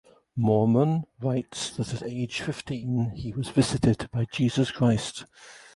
Mormon writes that at age fifteen he was visited by Jesus Christ.